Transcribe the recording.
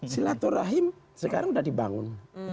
silaturahim sekarang sudah dibangun